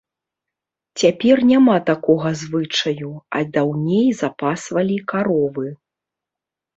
Цяпер няма такога звычаю, а даўней запасвалі каровы.